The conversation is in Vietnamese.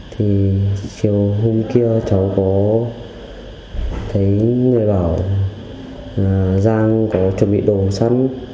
chiều hôm kia cháu có thấy người bảo là giang có chuẩn bị đồ sắt